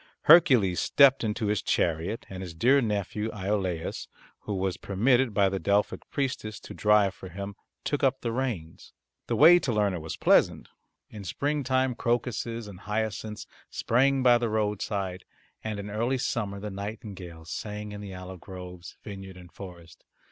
Hercules stepped into his chariot and his dear nephew Iolaus, who was permitted by the Delphic priestess to drive for him, took up the reins. The way to Lerna was pleasant. In spring time crocuses and hyacinths sprang by the roadside, and in early summer the nightingales sang in the olive groves, vineyard and forest.